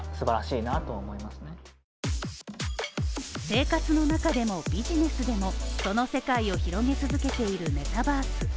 生活の中でも、ビジネスでも、その世界を広げ続けているメタバース。